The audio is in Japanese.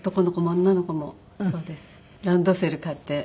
ランドセル買って。